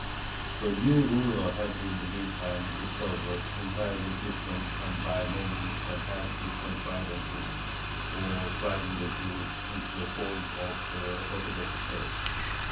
The new ruler had in the meantime discovered entirely different and by no means fantastic contrivances for driving the Jews into the fold of the Orthodox Church.